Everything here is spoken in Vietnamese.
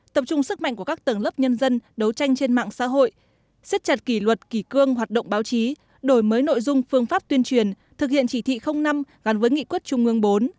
tập trung sức mạnh của các tầng lớp nhân dân đấu tranh trên mạng xã hội xếp chặt kỷ luật kỷ cương hoạt động báo chí đổi mới nội dung phương pháp tuyên truyền thực hiện chỉ thị năm gắn với nghị quyết trung ương bốn